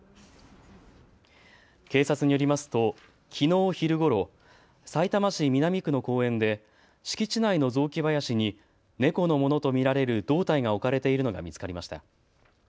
警察によりますときのう昼ごろ、さいたま市南区の公園で敷地内の雑木林に猫のものと見られる胴体が置かれているのが見つかりました。